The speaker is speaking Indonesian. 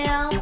siap yuk yuk